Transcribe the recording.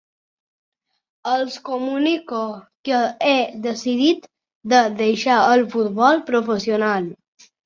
Els comunico que he decidit de deixar el futbol professional.